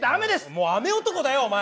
もう雨男だよお前！